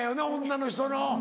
女の人の。